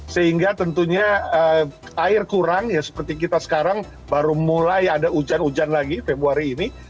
sehingga tentunya air kurang ya seperti kita sekarang baru mulai ada hujan hujan lagi februari ini